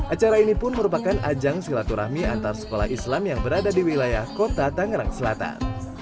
acara ini pun merupakan ajang silaturahmi antar sekolah islam yang berada di wilayah kota tangerang selatan